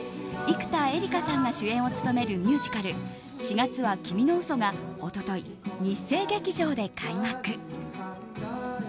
生田絵梨花さんが主演を務めるミュージカル「四月は君の嘘」が一昨日、日生劇場で開幕。